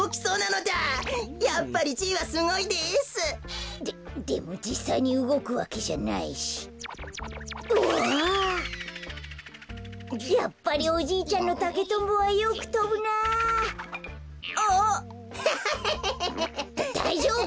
だだいじょうぶ！